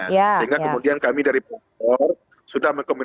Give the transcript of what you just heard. sehingga kemudian kami dari punggol sudah mengkomitmasi